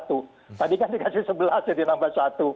tadi kan dikasih sebelas jadi nambah satu